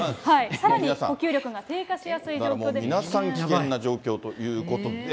さらに、呼吸力が低下しやすい状皆さん危険な状況ということで。